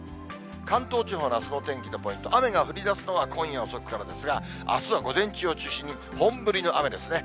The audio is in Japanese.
関東地方のあすのお天気のポイント、雨が降りだすのは今夜遅くからですが、あすは午前中を中心に本降りの雨ですね。